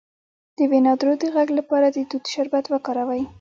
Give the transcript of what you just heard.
د وینادرو د غږ لپاره د توت شربت وکاروئ